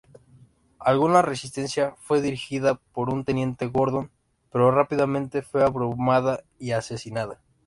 Alguna resistencia fue dirigida por un teniente Gordon, pero rápidamente fue abrumada y asesinada.